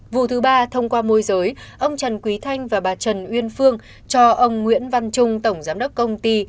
vụ thứ ba thông qua môi giới ông trần quý thanh và bà trần uyên phương cho ông nguyễn văn trung tổng giám đốc công ty